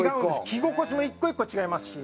着心地も１個１個違いますし。